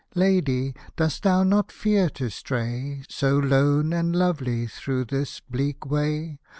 '' Lady ! dost thou not fear to stray, " So lone and lovely through this bleak way